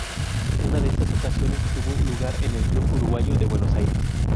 Una de estas ocasiones tuvo lugar en el Club uruguayo de Buenos Aires.